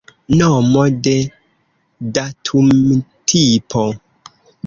Nomo de datumtipo.